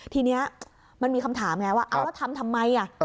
ทีนี้มันมีคำถามไงว่าเอาแล้วทำทำไม